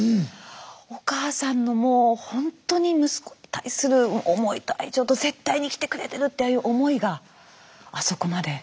お母さんのもうほんとに息子に対する思いと愛情と絶対に生きてくれてるっていう思いがあそこまで。